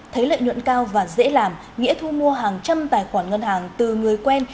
thấy lợi nhuận cao và dễ làm nghĩa thu mua hàng trăm tài khoản ngân hàng từ người quen